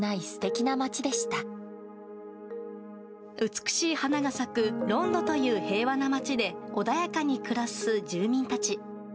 美しい花が咲くロンドという平和な町で穏やかに暮らす住民たち。